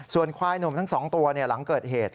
ส่วนควายหนุ่มทั้ง๒ตัวหลังเกิดเหตุ